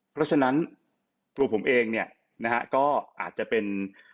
เพราะฉะนั้นตัวผมเองเนี่ยนะฮะก็อาจจะเป็น